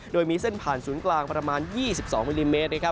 โดยมีเส้นผ่านศูนย์กลางประมาณ๒๒มิลลิเมตร